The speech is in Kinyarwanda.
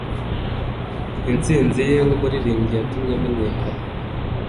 Intsinzi ye nkumuririmbyi yatumye amenyekana.